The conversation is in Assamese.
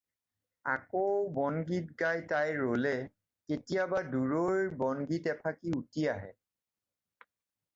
আকৌ বন-গীত গাই তাই ৰ'লে কেতিয়াবা দূৰৈৰ বনগীত এফাঁকি উটি আহে।